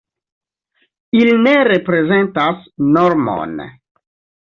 Ili ne reprezentas normon.